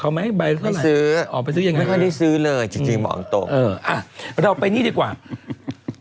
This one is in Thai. ว่าอันนี้ควรต้องโดนจำคุกพ่ออะไร